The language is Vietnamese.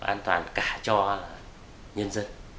an toàn cả cho nhân dân